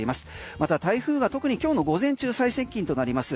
また台風が特に今日の午前中最接近となります。